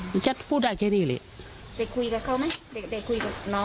ได้คุยกับติดคุยกับช่วยเน้อก็ไม่